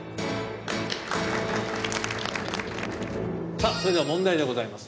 さあそれでは問題でございます。